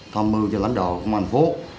tham mưu cho lãnh đạo công an phố